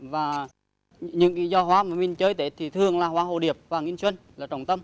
và những giò hoa mà mình chơi tết thì thường là hoa hô điệp và nghiên xuân là trọng tâm